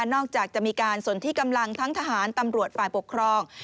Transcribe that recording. จากจะมีการสนที่กำลังทั้งทหารตำรวจฝ่ายปกครอง